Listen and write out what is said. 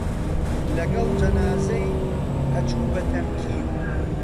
لەگەڵ جەنازەی ئەچوو بە تەمکین